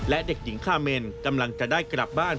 และเด็กหญิงคาเมนกำลังจะได้กลับบ้าน